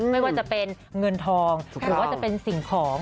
ไม่ว่าจะเป็นเงินทองหรือว่าจะเป็นสิ่งของ